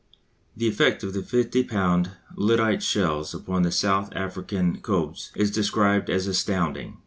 The effect of the 50 lb. lyddite shells upon the South African kopjes is described as astounding.